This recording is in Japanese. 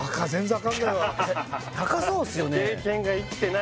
高そうですよね